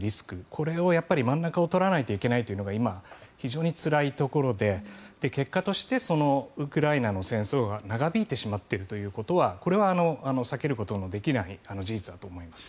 これを、真ん中を取らないといけないというのが今、非常につらいところで結果としてウクライナの戦争が長引いてしまっているということはこれは避けることのできない事実だと思います。